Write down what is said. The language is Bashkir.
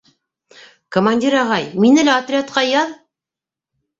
— Командир ағай, мине лә отрядҡа яҙ!